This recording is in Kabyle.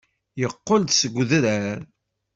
Yeqqel-d seg udrar.